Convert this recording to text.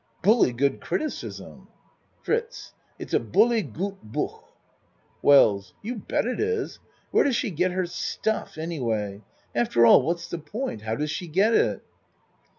Bully good criticism. FRITZ It's a bully good book. WELLS You bet it is. Where does she get her stuff, anyway? After all, that's the point! How does she get it?